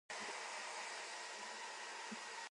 搖人無才，搖豬無刣